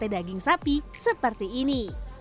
daging sapi seperti ini